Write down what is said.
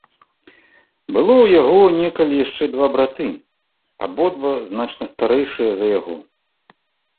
Было ў яго некалі яшчэ два браты, абодва значна старэйшыя за яго.